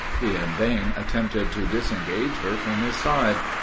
He in vain attempted to disengage her from his side.